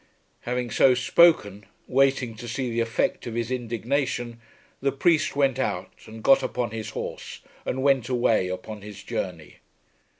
Having so spoken, waiting to see the effect of his indignation, the priest went out, and got upon his horse, and went away upon his journey.